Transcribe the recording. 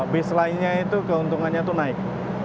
base lainnya itu keuntungannya itu naik